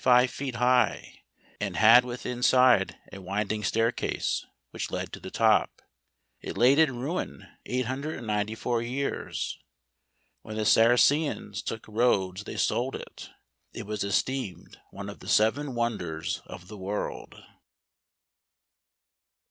43 It was 135 feet high, add had within side a wind¬ ing staircase, which led to the top. It laid in ruins 894 years. When the Saracens took Rhodes they sold it. It was esteemed one of the Seven Wonders of the world.